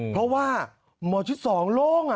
เพราะว่าหมอชิด๒โล่ง